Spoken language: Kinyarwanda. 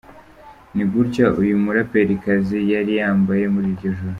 Ni gutya uyu muraperikazi yari yambaye muri iryo joro.